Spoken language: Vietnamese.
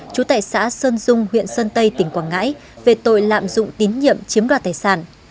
trú tại xã sơn dung huyện sơn tây tỉnh quảng ngãi về tội lạm dụng tín nhiệm chiếm đoạt tài sản